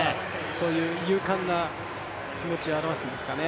勇敢な気持ちを表すんですかね。